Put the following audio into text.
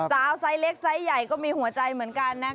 ไซส์เล็กไซส์ใหญ่ก็มีหัวใจเหมือนกันนะ